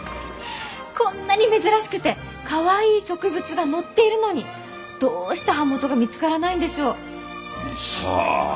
こんなに珍しくてかわいい植物が載っているのにどうして版元が見つからないんでしょう？さあ？